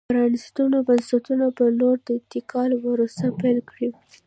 د پرانېستو بنسټونو په لور انتقال پروسه پیل کړي.